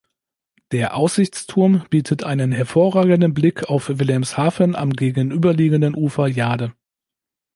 Der Aussichtsturm bietet einen hervorragenden Blick auf Wilhelmshaven am gegenüberliegenden Ufer Jade.